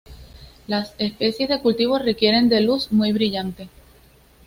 Las especies de cultivo requieren de luz muy brillante.